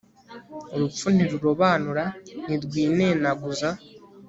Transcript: urupfu ntirurobanura, ntirwinenaguza